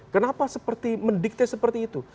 kenapa mendikte seperti itu